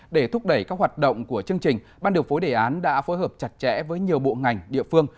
để thúc đẩy các hoạt động của chương trình ban điều phối đề án đã phối hợp chặt chẽ với nhiều bộ ngành địa phương